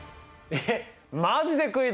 えっ